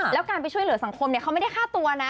แล้วการไปช่วยเหลือสังคมเขาไม่ได้ฆ่าตัวนะ